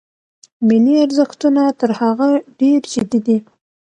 ملي ارزښتونه تر هغه ډېر جدي دي.